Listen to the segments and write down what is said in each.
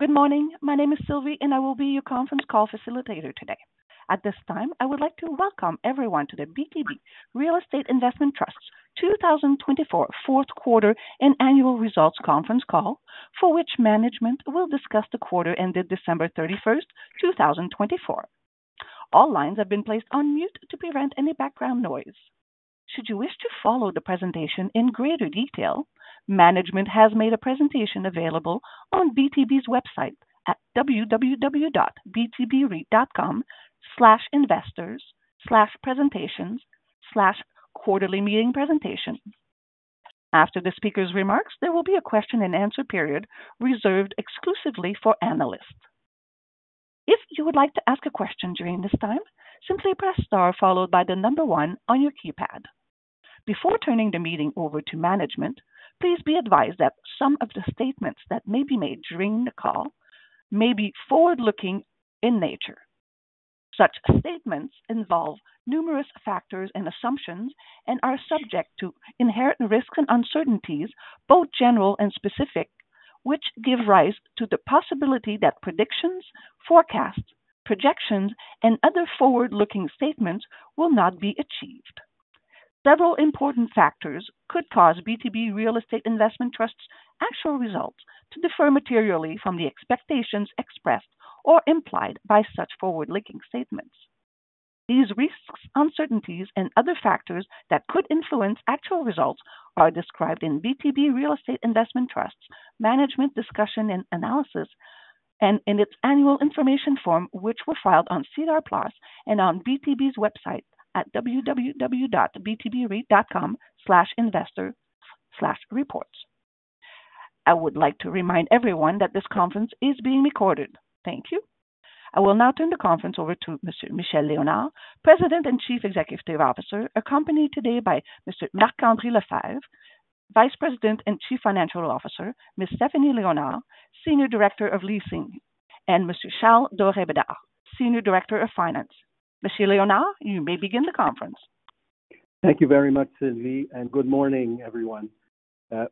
Good morning. My name is Sylvie, and I will be your conference call facilitator today. At this time, I would like to welcome everyone to the BTB Real Estate Investment Trust's 2024 Fourth Quarter and Annual Results Conference Call, for which management will discuss the quarter ended December 31st, 2024. All lines have been placed on mute to prevent any background noise. Should you wish to follow the presentation in greater detail, management has made a presentation available on BTB's website at www.btbre.com/investors/presentations/quarterly meeting presentation. After the speaker's remarks, there will be a question-and-answer period reserved exclusively for analysts. If you would like to ask a question during this time, simply press star followed by the number one on your keypad. Before turning the meeting over to management, please be advised that some of the statements that may be made during the call may be forward-looking in nature. Such statements involve numerous factors and assumptions and are subject to inherent risks and uncertainties, both general and specific, which give rise to the possibility that predictions, forecasts, projections, and other forward-looking statements will not be achieved. Several important factors could cause BTB Real Estate Investment Trust's actual results to differ materially from the expectations expressed or implied by such forward-looking statements. These risks, uncertainties, and other factors that could influence actual results are described in BTB Real Estate Investment Trust's management discussion and analysis and in its annual information form, which were filed on SEDAR+ and on BTB's website at www.btbre.com/investor/reports. I would like to remind everyone that this conference is being recorded. Thank you. I will now turn the conference over to Mr. Michel Léonard, President and Chief Executive Officer, accompanied today by Mr. Marc-André Lefebvre, Vice President and Chief Financial Officer, Ms. Stephanie Léonard, Senior Director of Leasing, and Mr. Charles Doré-Bédard, Senior Director of Finance. Mr. Léonard, you may begin the conference. Thank you very much, Sylvie, and good morning, everyone.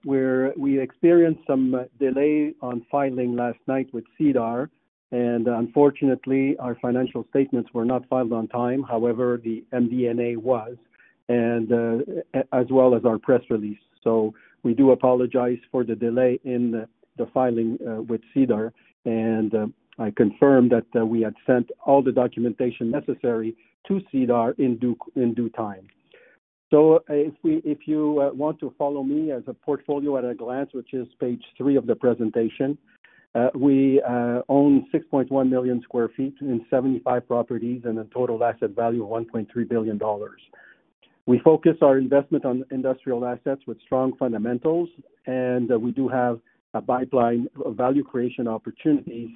We experienced some delay on filing last night with SEDAR+, and unfortunately, our financial statements were not filed on time. However, the MD&A was, as well as our press release. We do apologize for the delay in the filing with SEDAR+, and I confirm that we had sent all the documentation necessary to SEDAR+ in due time. If you want to follow me as a portfolio at a glance, which is page three of the presentation, we own 6.1 million sq ft and 75 properties and a total asset value of 1.3 billion dollars. We focus our investment on industrial assets with strong fundamentals, and we do have a pipeline of value creation opportunities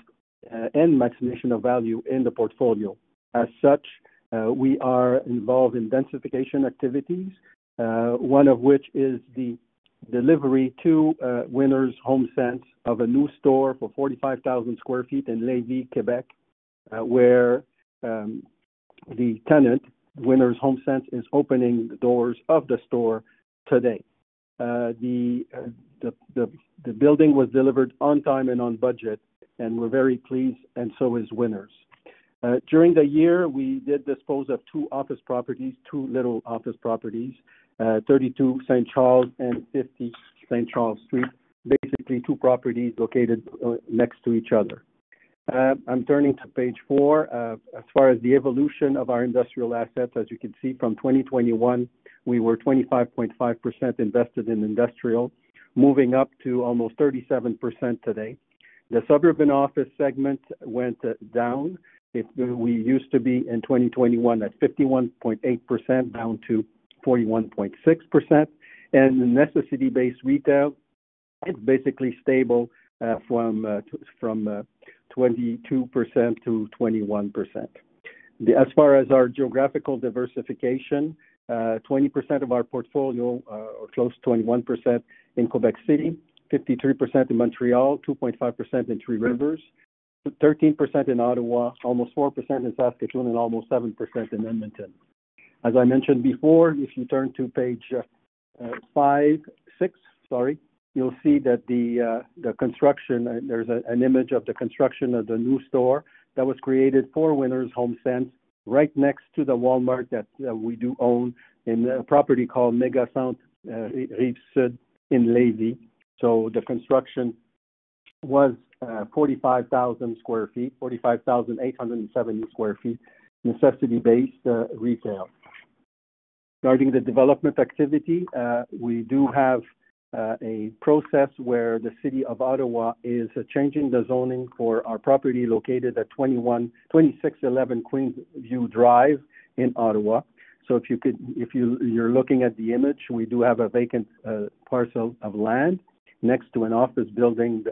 and maximization of value in the portfolio. As such, we are involved in densification activities, one of which is the delivery to Winners HomeSense of a new store for 45,000 sq ft in Lévis, Quebec, where the tenant, Winners HomeSense, is opening the doors of the store today. The building was delivered on time and on budget, and we're very pleased, and so is Winners. During the year, we did dispose of two office properties, two little office properties, 32 St. Charles and 50 St. Charles Street, basically two properties located next to each other. I'm turning to page four. As far as the evolution of our industrial assets, as you can see, from 2021, we were 25.5% invested in industrial, moving up to almost 37% today. The suburban office segment went down. We used to be in 2021 at 51.8%, down to 41.6%, and the necessity-based retail is basically stable from 22%-21%. As far as our geographical diversification, 20% of our portfolio or close to 21% in Quebec City, 53% in Montreal, 2.5% in Trois-Rivières, 13% in Ottawa, almost 4% in Saskatoon, and almost 7% in Edmonton. As I mentioned before, if you turn to page five, six, sorry, you'll see that the construction, there's an image of the construction of the new store that was created for Winners HomeSense right next to the Walmart that we do own in a property called Mégacentre Rive-Sud in Lévis. The construction was 45,000 sq ft, 45,870 sq ft, necessity-based retail. Regarding the development activity, we do have a process where the City of Ottawa is changing the zoning for our property located at 2611 Queensview Drive in Ottawa. If you're looking at the image, we do have a vacant parcel of land next to an office building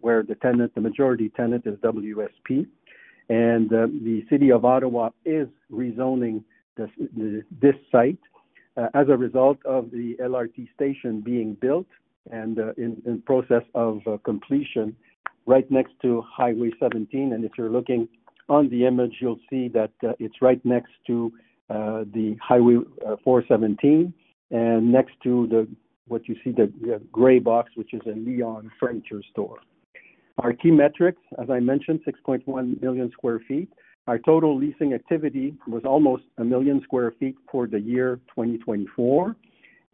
where the majority tenant is WSP, and the City of Ottawa is rezoning this site as a result of the LRT station being built and in process of completion right next to Highway 417. If you're looking on the image, you'll see that it's right next to Highway 417 and next to what you see, the gray box, which is a Leon's Furniture store. Our key metrics, as I mentioned, 6.1 million sq ft. Our total leasing activity was almost 1 million sq ft for the year 2024,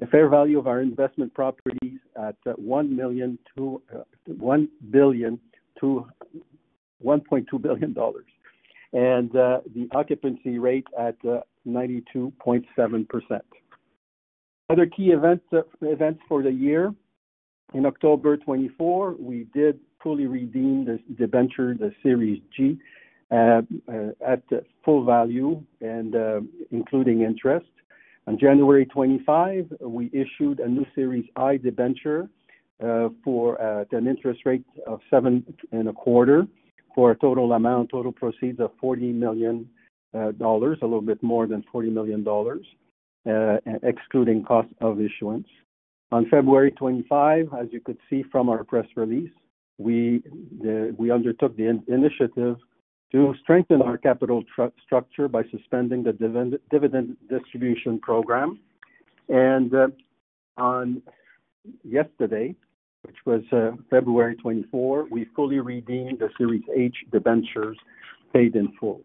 a fair value of our investment properties at 1.2 billion dollars, and the occupancy rate at 92.7%. Other key events for the year, in October 2024, we did fully redeem the Debenture, the Series G, at full value and including interest. On January 25, we issued a new Series I Debenture at an interest rate of 7.25% for a total amount, total proceeds of 40 million dollars, a little bit more than 40 million dollars, excluding cost of issuance. On February 25, as you could see from our press release, we undertook the initiative to strengthen our capital structure by suspending the dividend distribution program. Yesterday, which was February 24, we fully redeemed the Series H Debentures paid in full.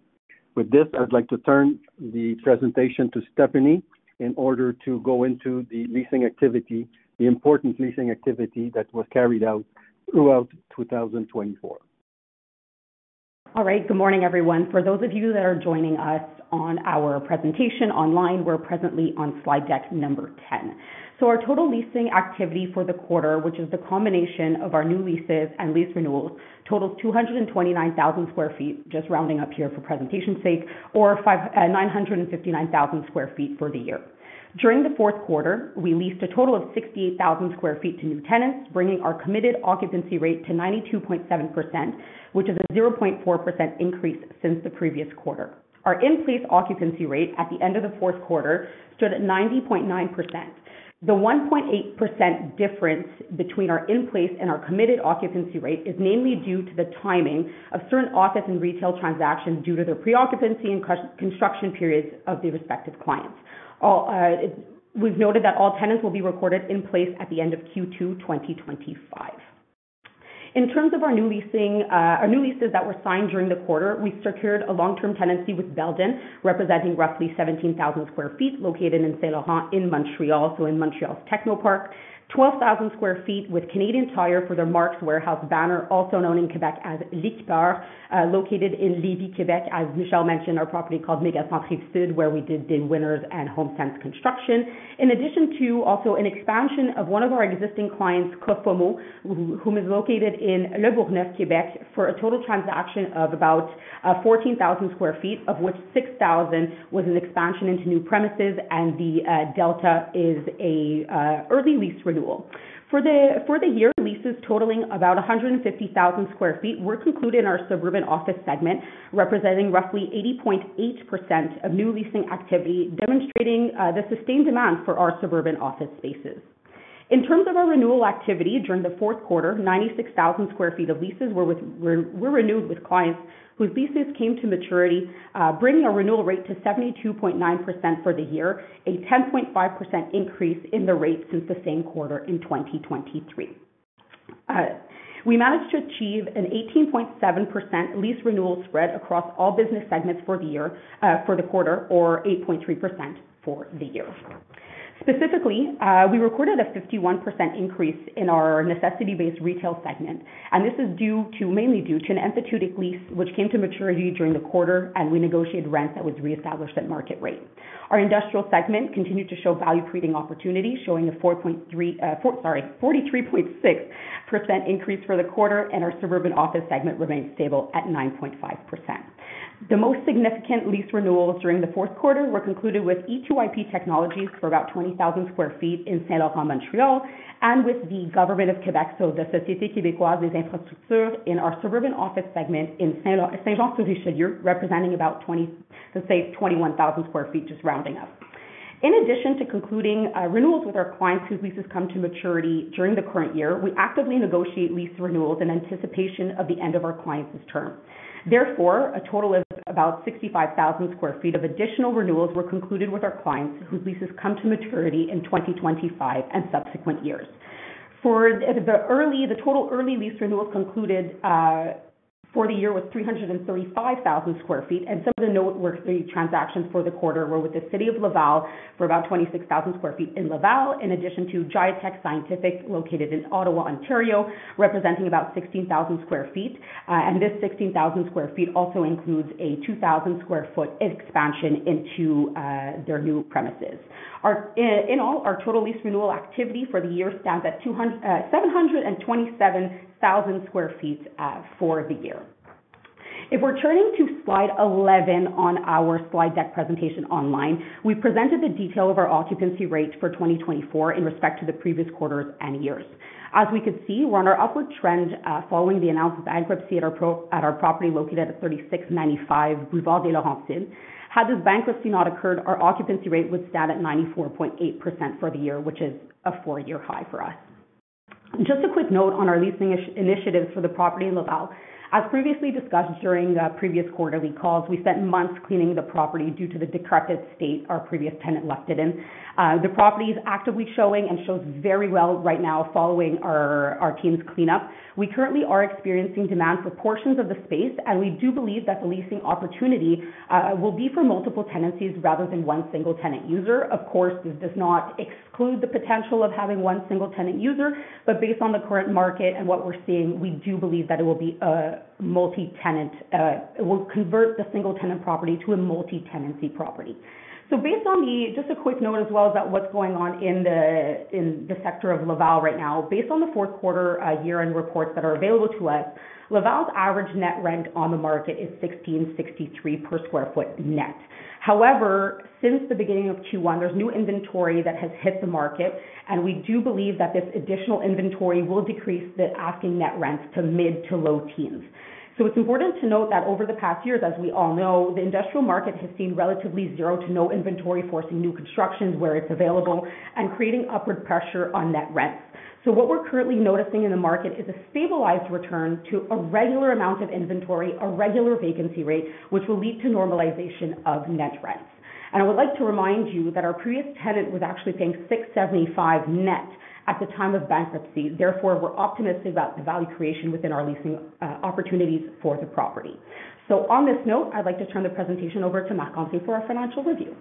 With this, I'd like to turn the presentation to Stephanie in order to go into the leasing activity, the important leasing activity that was carried out throughout 2024. All right. Good morning, everyone. For those of you that are joining us on our presentation online, we're presently on slide deck number 10. Our total leasing activity for the quarter, which is the combination of our new leases and lease renewals, totals 229,000 sq ft, just rounding up here for presentation's sake, or 959,000 sq ft for the year. During the fourth quarter, we leased a total of 68,000 sq ft to new tenants, bringing our committed occupancy rate to 92.7%, which is a 0.4% increase since the previous quarter. Our in-place occupancy rate at the end of the fourth quarter stood at 90.9%. The 1.8% difference between our in-place and our committed occupancy rate is mainly due to the timing of certain office and retail transactions due to their pre-occupancy and construction periods of the respective clients. We've noted that all tenants will be recorded in place at the end of Q2 2025. In terms of our new leases that were signed during the quarter, we secured a long-term tenancy with Belden, representing roughly 17,000 sq ft, located in Saint-Laurent in Montreal, so in Montreal's Techno Park, 12,000 sq ft with Canadian Tire for their Marks Warehouse banner, also known in Quebec as L’Équipeur, located in Lévis, Quebec, as Michel mentioned, our property called Mégacentre Rive-Sud, where we did the Winners HomeSense construction, in addition to also an expansion of one of our existing clients, Cofomo, whom is located in Lebourgneuf, Quebec, for a total transaction of about 14,000 sq ft, of which 6,000 sq was an expansion into new premises, and the Delta is an early lease renewal. For the year, leases totaling about 150,000 sq ft were concluded in our suburban office segment, representing roughly 80.8% of new leasing activity, demonstrating the sustained demand for our suburban office spaces. In terms of our renewal activity during the fourth quarter, 96,000 sq ft of leases were renewed with clients whose leases came to maturity, bringing our renewal rate to 72.9% for the year, a 10.5% increase in the rate since the same quarter in 2023. We managed to achieve an 18.7% lease renewal spread across all business segments for the quarter, or 8.3% for the year. Specifically, we recorded a 51% increase in our necessity-based retail segment, and this is mainly due to an emphyteutic lease which came to maturity during the quarter, and we negotiated rent that was reestablished at market rate. Our industrial segment continued to show value creating opportunity, showing a 43.6% increase for the quarter, and our suburban office segment remained stable at 9.5%. The most significant lease renewals during the fourth quarter were concluded with E2IP Technologies for about 20,000 sq ft in Saint-Laurent, Montreal, and with the government of Quebec, so the Société Québécoise des Infrastructures, in our suburban office segment in Saint-Jean-sur-Richelieu, representing about 21,000 sq ft, just rounding up. In addition to concluding renewals with our clients whose leases come to maturity during the current year, we actively negotiate lease renewals in anticipation of the end of our clients' term. Therefore, a total of about 65,000 sq ft of additional renewals were concluded with our clients whose leases come to maturity in 2025 and subsequent years. The total early lease renewals concluded for the year was 335,000 sq ft, and some of the noteworthy transactions for the quarter were with the City of Laval for about 26,000 sq ft in Laval, in addition to GIATEC Scientific located in Ottawa, Ontario, representing about 16,000 sq ft. This 16,000 sq ft also includes a 2,000 sq ft expansion into their new premises. In all, our total lease renewal activity for the year stands at 727,000 sq ft for the year. If we're turning to slide 11 on our slide deck presentation online, we presented the detail of our occupancy rate for 2024 in respect to the previous quarters and years. As we could see, we're on our upward trend following the announced bankruptcy at our property located at 3695 Autoroute des Laurentides. Had this bankruptcy not occurred, our occupancy rate would stand at 94.8% for the year, which is a four-year high for us. Just a quick note on our leasing initiatives for the property in Laval. As previously discussed during previous quarterly calls, we spent months cleaning the property due to the decrepit state our previous tenant left it in. The property is actively showing and shows very well right now following our team's cleanup. We currently are experiencing demand for portions of the space, and we do believe that the leasing opportunity will be for multiple tenancies rather than one single tenant user. Of course, this does not exclude the potential of having one single tenant user, but based on the current market and what we're seeing, we do believe that it will be a multi-tenant; it will convert the single-tenant property to a multi-tenancy property. Based on just a quick note as well as what's going on in the sector of Laval right now, based on the fourth quarter year-end reports that are available to us, Laval's average net rent on the market is 1,663 per sq ft net. However, since the beginning of Q1, there is new inventory that has hit the market, and we do believe that this additional inventory will decrease the asking net rents to mid to low teens. It is important to note that over the past years, as we all know, the industrial market has seen relatively zero to no inventory, forcing new constructions where it is available and creating upward pressure on net rents. What we are currently noticing in the market is a stabilized return to a regular amount of inventory, a regular vacancy rate, which will lead to normalization of net rents. I would like to remind you that our previous tenant was actually paying 675 net at the time of bankruptcy. Therefore, we are optimistic about the value creation within our leasing opportunities for the property. On this note, I would like to turn the presentation over to Marc for our financial review.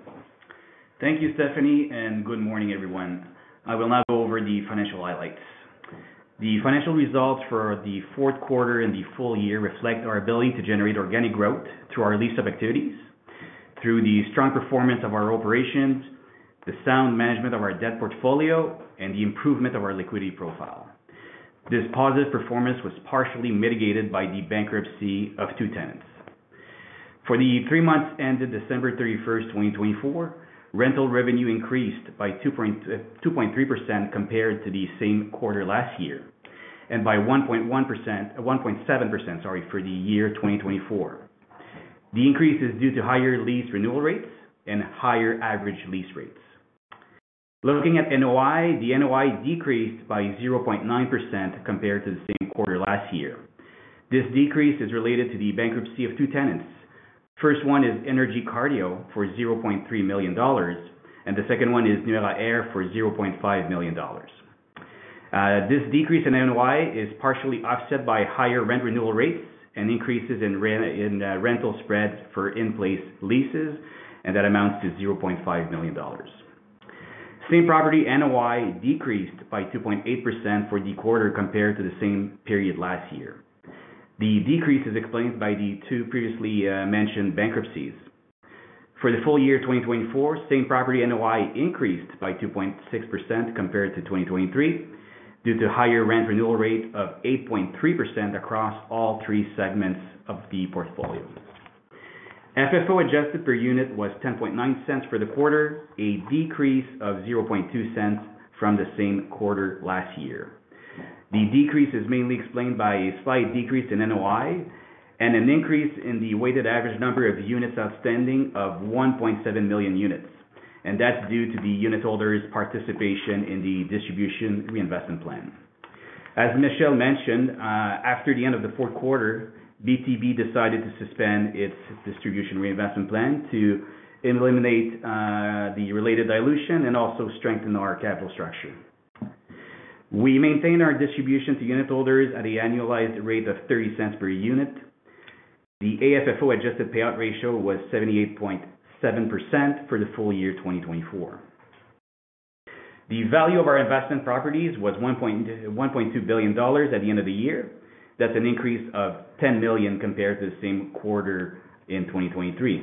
Thank you, Stephanie, and good morning, everyone. I will now go over the financial highlights. The financial results for the fourth quarter and the full year reflect our ability to generate organic growth through our lease of activities, through the strong performance of our operations, the sound management of our debt portfolio, and the improvement of our liquidity profile. This positive performance was partially mitigated by the bankruptcy of two tenants. For the three months ended December 31st, 2024, rental revenue increased by 2.3% compared to the same quarter last year and by 1.7%, sorry, for the year 2024. The increase is due to higher lease renewal rates and higher average lease rates. Looking at NOI, the NOI decreased by 0.9% compared to the same quarter last year. This decrease is related to the bankruptcy of two tenants. The first one is Énergie Cardio for 0.3 million dollars, and the second one is Nuera Air for 0.5 million dollars. This decrease in NOI is partially offset by higher rent renewal rates and increases in rental spreads for in-place leases, and that amounts to 0.5 million dollars. Same property NOI decreased by 2.8% for the quarter compared to the same period last year. The decrease is explained by the two previously mentioned bankruptcies. For the full year 2024, same property NOI increased by 2.6% compared to 2023 due to higher rent renewal rate of 8.3% across all three segments of the portfolio. FFO adjusted per unit was $0.109 for the quarter, a decrease of $0.002 from the same quarter last year. The decrease is mainly explained by a slight decrease in NOI and an increase in the weighted average number of units outstanding of 1.7 million units, and that's due to the unit holders' participation in the distribution reinvestment plan. As Michel mentioned, after the end of the fourth quarter, BTB decided to suspend its distribution reinvestment plan to eliminate the related dilution and also strengthen our capital structure. We maintain our distribution to unit holders at an annualized rate of 0.30 per unit. The AFFO adjusted payout ratio was 78.7% for the full year 2024. The value of our investment properties was 1.2 billion dollars at the end of the year. That's an increase of 10 million compared to the same quarter in 2023.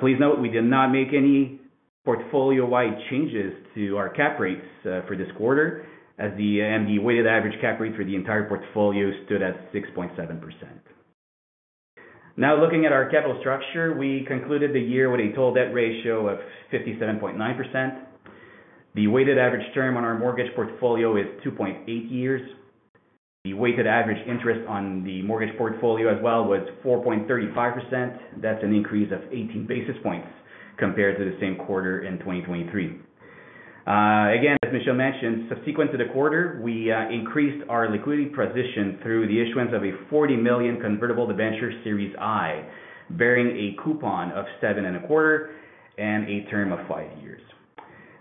Please note, we did not make any portfolio-wide changes to our cap rates for this quarter, as the weighted average cap rate for the entire portfolio stood at 6.7%. Now, looking at our capital structure, we concluded the year with a total debt ratio of 57.9%. The weighted average term on our mortgage portfolio is 2.8 years. The weighted average interest on the mortgage portfolio as well was 4.35%. That's an increase of 18 basis points compared to the same quarter in 2023. Again, as Michel mentioned, subsequent to the quarter, we increased our liquidity position through the issuance of a 40 million convertible debenture Series I, bearing a coupon of 7.25% and a term of five years.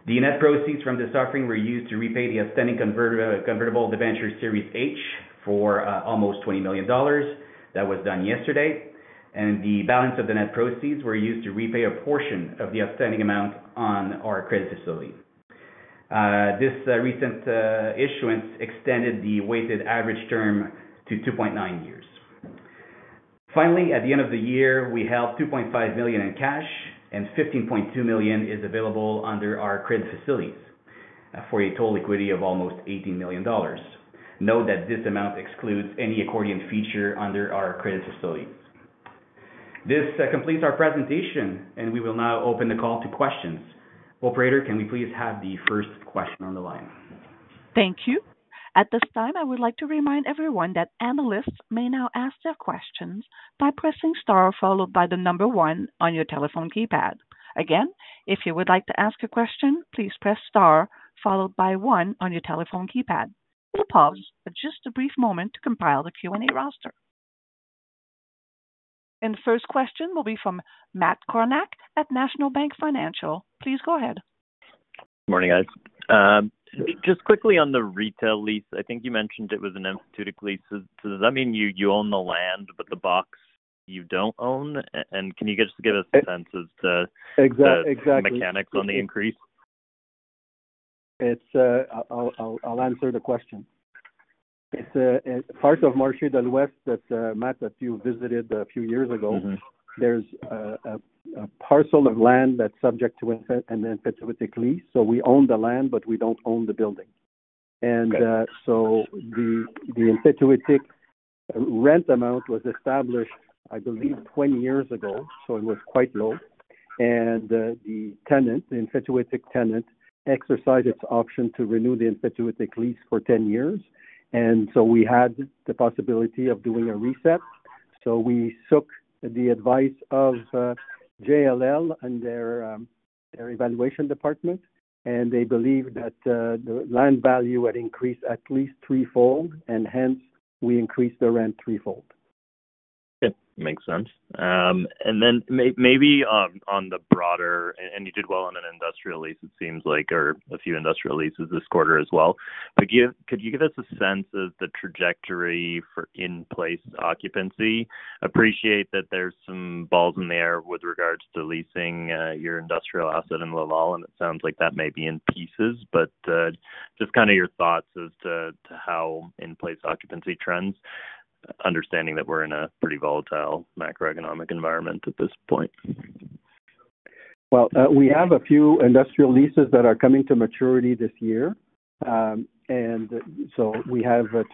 The net proceeds from this offering were used to repay the outstanding convertible debenture Series H for almost 20 million dollars. That was done yesterday. The balance of the net proceeds were used to repay a portion of the outstanding amount on our credit facility. This recent issuance extended the weighted average term to 2.9 years. Finally, at the end of the year, we held 2.5 million in cash, and 15.2 million is available under our credit facilities for a total liquidity of almost 18 million dollars. Note that this amount excludes any accordion feature under our credit facilities. This completes our presentation, and we will now open the call to questions. Operator, can we please have the first question on the line? Thank you. At this time, I would like to remind everyone that analysts may now ask their questions by pressing Star followed by the number one on your telephone keypad. Again, if you would like to ask a question, please press Star followed by one on your telephone keypad. We'll pause for just a brief moment to compile the Q&A roster. The first question will be from Matt Kornack at National Bank Financial. Please go ahead. Good morning, guys. Just quickly on the retail lease, I think you mentioned it was an emphyteutic lease. Does that mean you own the land, but the box you do not own? Can you just give us a sense as to the mechanics on the increase? I'll answer the question. It's a part of Marché de l'Ouest that's a map that you visited a few years ago. There's a parcel of land that's subject to an emphyteutic lease. We own the land, but we don't own the building. The emphyteutic rent amount was established, I believe, 20 years ago, so it was quite low. The tenant, the emphyteutic tenant, exercised its option to renew the emphyteutic lease for 10 years. We had the possibility of doing a reset. We took the advice of JLL and their evaluation department, and they believed that the land value had increased at least threefold, and hence we increased the rent threefold. Okay. Makes sense. Maybe on the broader, you did well on an industrial lease, it seems like, or a few industrial leases this quarter as well. Could you give us a sense of the trajectory for in-place occupancy? Appreciate that there are some balls in the air with regards to leasing your industrial asset in Laval, and it sounds like that may be in pieces, but just kind of your thoughts as to how in-place occupancy trends, understanding that we are in a pretty volatile macroeconomic environment at this point. We have a few industrial leases that are coming to maturity this year. We have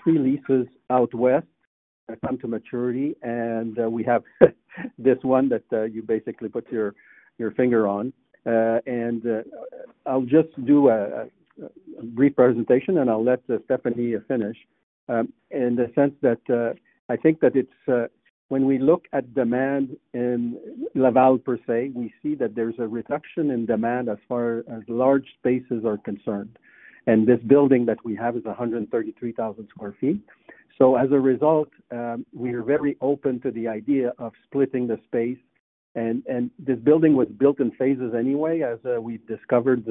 three leases out west that come to maturity, and we have this one that you basically put your finger on. I'll just do a brief presentation, and I'll let Stephanie finish in the sense that I think that it's when we look at demand in Laval per se, we see that there's a reduction in demand as far as large spaces are concerned. This building that we have is 133,000 sq ft. As a result, we are very open to the idea of splitting the space. This building was built in phases anyway, as we discovered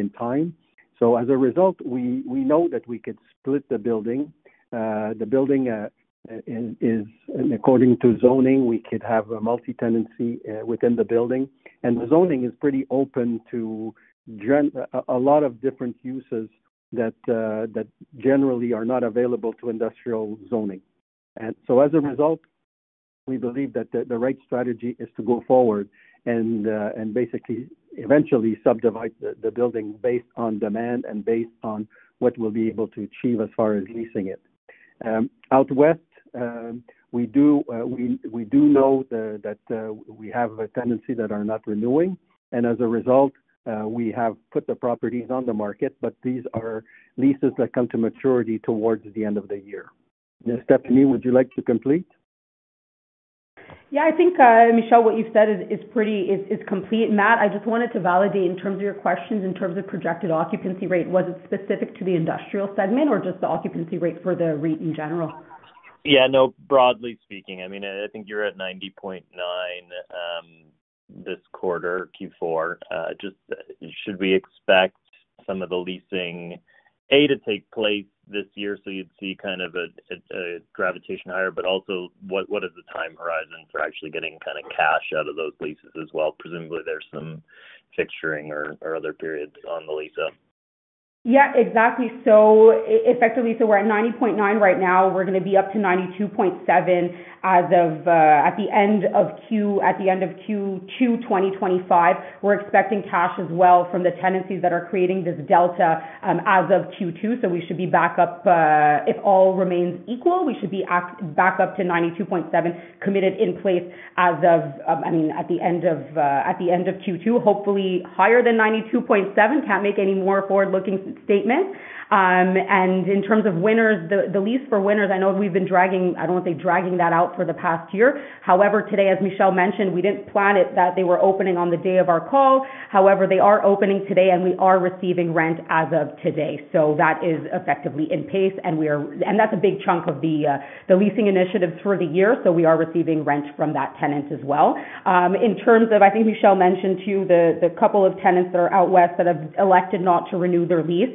in time. As a result, we know that we could split the building. The building is, according to zoning, we could have a multi-tenancy within the building. The zoning is pretty open to a lot of different uses that generally are not available to industrial zoning. As a result, we believe that the right strategy is to go forward and basically eventually subdivide the building based on demand and based on what we will be able to achieve as far as leasing it. Out west, we do know that we have a tenancy that are not renewing. As a result, we have put the properties on the market, but these are leases that come to maturity towards the end of the year. Stephanie, would you like to complete? Yeah, I think, Michel, what you've said is complete. Matt, I just wanted to validate in terms of your questions, in terms of projected occupancy rate. Was it specific to the industrial segment or just the occupancy rate for the REIT in general? Yeah, no, broadly speaking. I mean, I think you're at 90.9% this quarter, Q4. Just should we expect some of the leasing A to take place this year so you'd see kind of a gravitation higher, but also what is the time horizon for actually getting kind of cash out of those leases as well? Presumably, there's some fixturing or other periods on the lease. Yeah, exactly. Effectively, we're at 90.9% right now. We're going to be up to 92.7% at the end of Q2 2025. We're expecting cash as well from the tenancies that are creating this delta as of Q2. We should be back up. If all remains equal, we should be back up to 92.7% committed in place as of, I mean, at the end of Q2. Hopefully, higher than 92.7%. Can't make any more forward-looking statements. In terms of Winners, the lease for Winners, I know we've been dragging, I don't want to say dragging that out for the past year. However, today, as Michel mentioned, we didn't plan it that they were opening on the day of our call. However, they are opening today, and we are receiving rent as of today. That is effectively in pace, and that's a big chunk of the leasing initiatives for the year. We are receiving rent from that tenant as well. In terms of, I think Michel mentioned too, the couple of tenants that are out west that have elected not to renew their lease.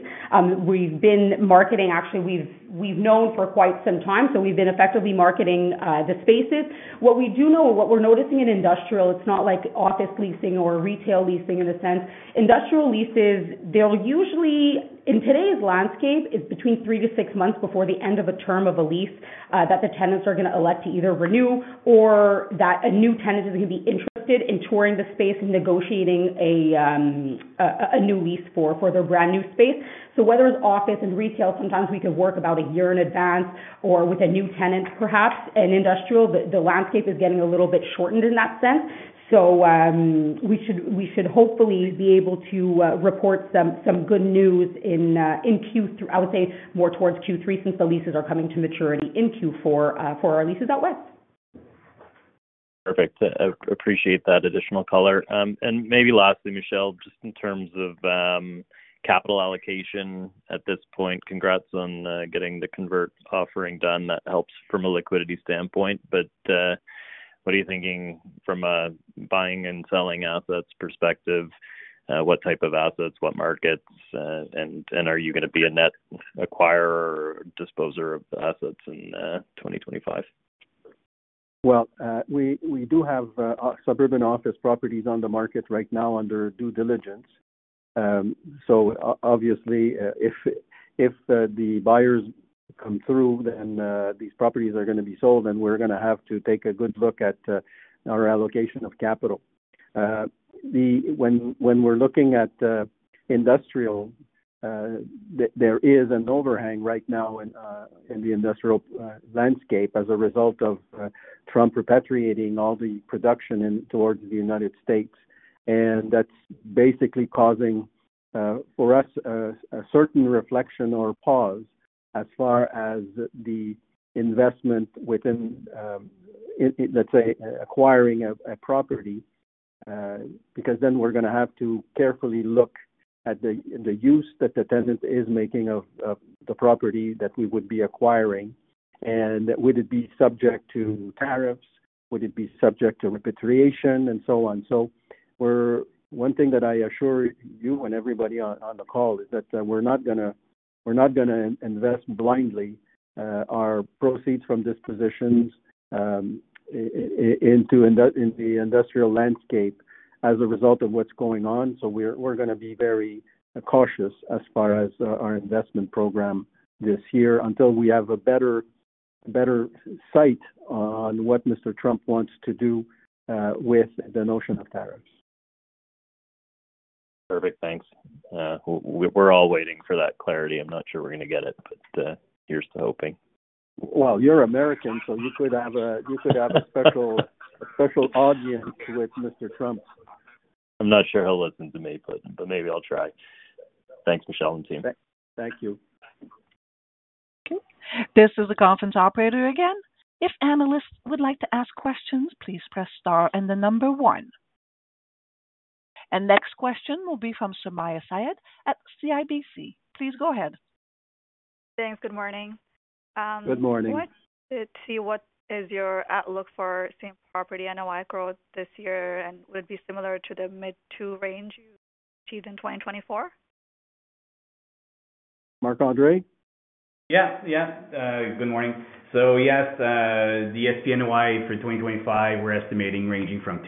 We've been marketing, actually, we've known for quite some time, so we've been effectively marketing the spaces. What we do know, what we're noticing in industrial, it's not like office leasing or retail leasing in a sense. Industrial leases, they'll usually, in today's landscape, it's between three to six months before the end of a term of a lease that the tenants are going to elect to either renew or that a new tenant is going to be interested in touring the space and negotiating a new lease for their brand new space. Whether it's office and retail, sometimes we could work about a year in advance or with a new tenant, perhaps in industrial, the landscape is getting a little bit shortened in that sense. We should hopefully be able to report some good news in Q3, I would say more towards Q3 since the leases are coming to maturity in Q4 for our leases out west. Perfect. Appreciate that additional color. Maybe lastly, Michel, just in terms of capital allocation at this point, congrats on getting the convert offering done. That helps from a liquidity standpoint. What are you thinking from a buying and selling assets perspective? What type of assets, what markets, and are you going to be a net acquirer or disposer of the assets in 2025? We do have suburban office properties on the market right now under due diligence. Obviously, if the buyers come through and these properties are going to be sold, then we're going to have to take a good look at our allocation of capital. When we're looking at industrial, there is an overhang right now in the industrial landscape as a result of Trump repatriating all the production towards the United States. That's basically causing for us a certain reflection or pause as far as the investment within, let's say, acquiring a property because then we're going to have to carefully look at the use that the tenant is making of the property that we would be acquiring. Would it be subject to tariffs? Would it be subject to repatriation and so on? One thing that I assure you and everybody on the call is that we're not going to invest blindly our proceeds from dispositions into the industrial landscape as a result of what's going on. We're going to be very cautious as far as our investment program this year until we have a better sight on what Mr. Trump wants to do with the notion of tariffs. Perfect. Thanks. We're all waiting for that clarity. I'm not sure we're going to get it, but here's to hoping. You're American, so you could have a special audience with Mr. Trump. I'm not sure he'll listen to me, but maybe I'll try. Thanks, Michel and team. Thank you. Okay. This is the conference operator again. If analysts would like to ask questions, please press Star and the number one. Next question will be from Sumayya Syed at CIBC. Please go ahead. Thanks. Good morning. Good morning. I wanted to see what is your outlook for Same Property NOI growth this year and would it be similar to the mid-2% range you achieved in 2024? Marc-André? Yeah. Yeah. Good morning. Yes, the SP NOI for 2025, we're estimating ranging from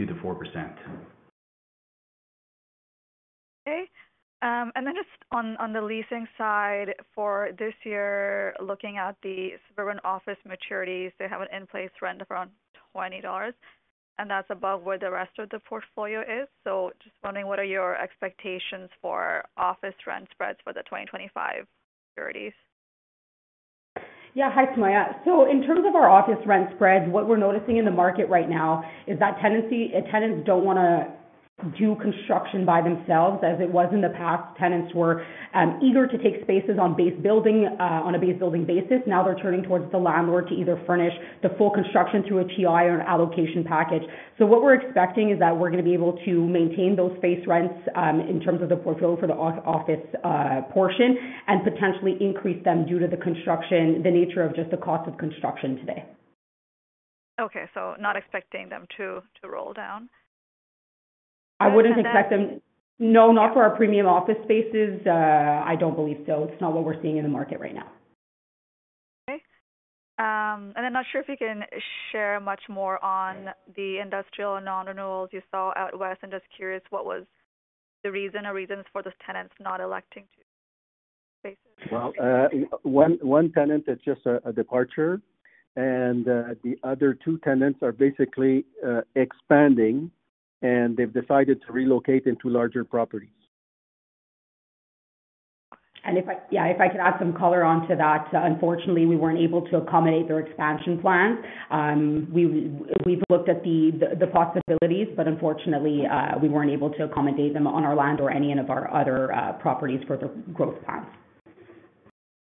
2%-4%. Okay. Just on the leasing side for this year, looking at the suburban office maturities, they have an in-place rent of around 20 dollars, and that's above where the rest of the portfolio is. Just wondering what are your expectations for office rent spreads for the 2025 maturities? Yeah. Hi, Sumayya. In terms of our office rent spreads, what we're noticing in the market right now is that tenants do not want to do construction by themselves as it was in the past. Tenants were eager to take spaces on a base building basis. Now they are turning towards the landlord to either furnish the full construction through a TI or an allocation package. What we are expecting is that we are going to be able to maintain those face rents in terms of the portfolio for the office portion and potentially increase them due to the construction, the nature of just the cost of construction today. Okay. Not expecting them to roll down? I wouldn't expect them. No, not for our premium office spaces. I don't believe so. It's not what we're seeing in the market right now. Okay. I'm not sure if you can share much more on the industrial non-renewals you saw out west. I'm just curious what was the reason or reasons for those tenants not electing to space? One tenant is just a departure, and the other two tenants are basically expanding, and they've decided to relocate into larger properties. If I can add some color onto that, unfortunately, we were not able to accommodate their expansion plans. We have looked at the possibilities, but unfortunately, we were not able to accommodate them on our land or any of our other properties for the growth plans.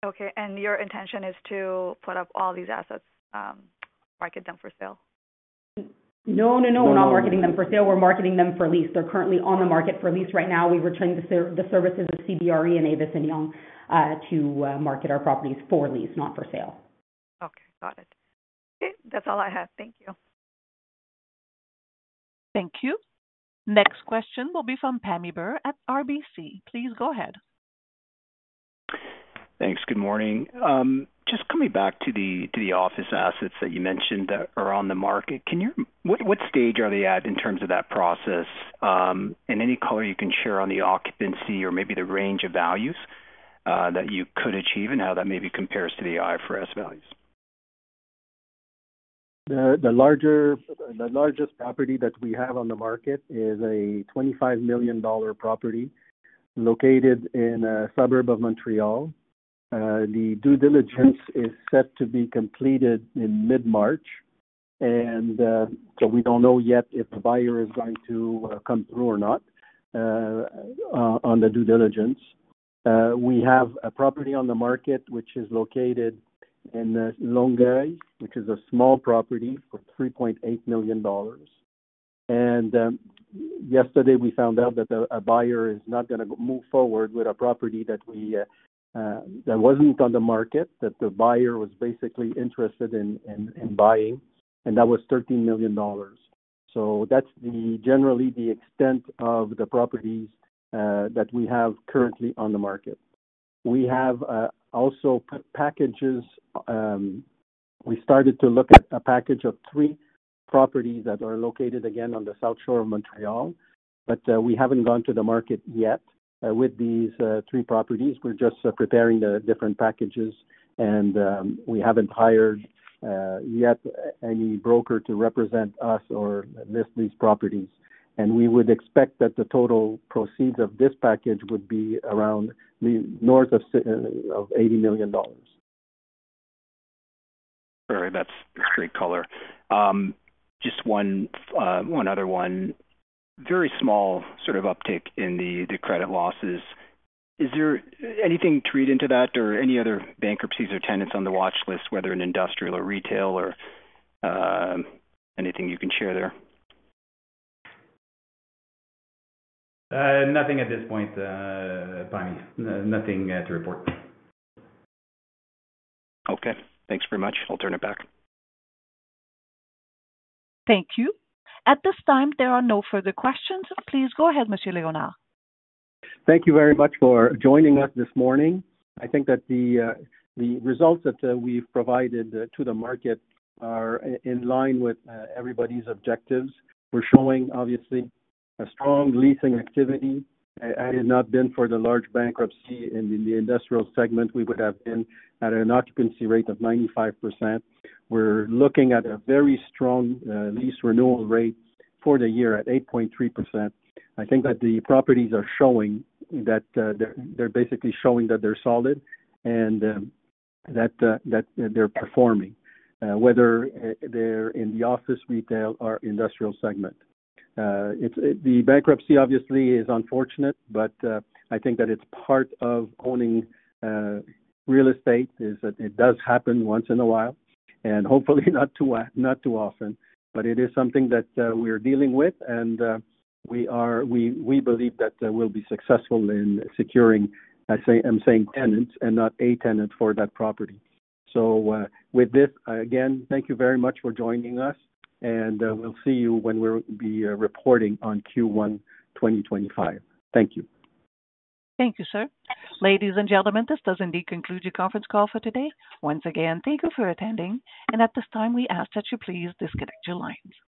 Okay. Your intention is to put up all these assets, market them for sale? No, no, no. We're not marketing them for sale. We're marketing them for lease. They're currently on the market for lease right now. We've retained the services of CBRE and Avison Young to market our properties for lease, not for sale. Okay. Got it. Okay. That's all I have. Thank you. Thank you. Next question will be from Pammi Bir at RBC. Please go ahead. Thanks. Good morning. Just coming back to the office assets that you mentioned that are on the market, what stage are they at in terms of that process? Any color you can share on the occupancy or maybe the range of values that you could achieve and how that maybe compares to the IFRS values? The largest property that we have on the market is a 25 million dollar property located in a suburb of Montreal. The due diligence is set to be completed in mid-March, and we do not know yet if the buyer is going to come through or not on the due diligence. We have a property on the market which is located in Longueuil, which is a small property for 3.8 million dollars. Yesterday, we found out that a buyer is not going to move forward with a property that was not on the market, that the buyer was basically interested in buying, and that was 13 million dollars. That is generally the extent of the properties that we have currently on the market. We have also put packages. We started to look at a package of three properties that are located again on the South Shore of Montreal, but we have not gone to the market yet with these three properties. We are just preparing the different packages, and we have not hired yet any broker to represent us or list these properties. We would expect that the total proceeds of this package would be around north of 80 million dollars. All right. That's great color. Just one other one. Very small sort of uptick in the credit losses. Is there anything to read into that or any other bankruptcies or tenants on the watch list, whether in industrial or retail or anything you can share there? Nothing at this point, Pammi. Nothing to report. Okay. Thanks very much. I'll turn it back. Thank you. At this time, there are no further questions. Please go ahead, Mr. Léonard. Thank you very much for joining us this morning. I think that the results that we've provided to the market are in line with everybody's objectives. We're showing, obviously, a strong leasing activity. Had it not been for the large bankruptcy in the industrial segment, we would have been at an occupancy rate of 95%. We're looking at a very strong lease renewal rate for the year at 8.3%. I think that the properties are showing that they're basically showing that they're solid and that they're performing, whether they're in the office, retail, or industrial segment. The bankruptcy, obviously, is unfortunate, but I think that it's part of owning real estate is that it does happen once in a while and hopefully not too often, but it is something that we're dealing with, and we believe that we'll be successful in securing, I'm saying, tenants and not a tenant for that property. With this, again, thank you very much for joining us, and we'll see you when we'll be reporting on Q1 2025. Thank you. Thank you, sir. Ladies and gentlemen, this does indeed conclude your conference call for today. Once again, thank you for attending. At this time, we ask that you please disconnect your lines.